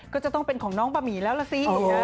ก็จะต้องเป็นของน้องบะหมี่แล้วล่ะสิ